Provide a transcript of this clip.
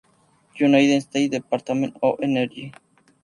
United States Department of Energy.